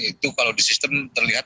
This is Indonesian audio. itu kalau di sistem terlihat